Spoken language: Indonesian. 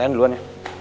lain duluan ya